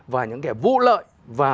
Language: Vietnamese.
và những cái vụ lợi